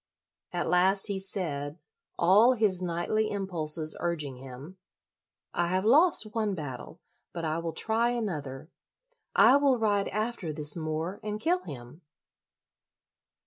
At last he said, all his knightly impulses urging him, " I have lost one battle, but I will try another. I will ride after this Moor and kill him."